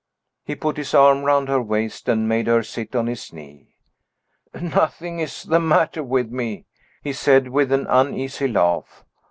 He put his arm round her waist and made her sit on his knee. "Nothing is the matter with me," he said, with an uneasy laugh.